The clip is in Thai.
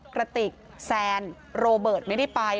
กระติกแซนโรเบิร์ตไม่ได้ไป